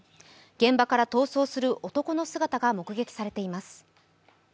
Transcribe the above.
現場から逃走する男の姿が目撃されています。